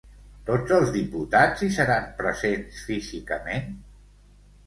Tots els diputats hi seran presents físicament?